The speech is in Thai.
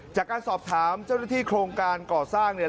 จากการสอบถามเจ้าหน้าที่โครงการก่อสร้างเนี่ย